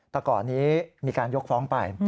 แต่ก่อนนี้มีการยกฟ้องไป